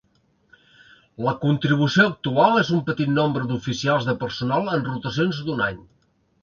La contribució actual és un petit nombre d'oficials de personal en rotacions d'un any.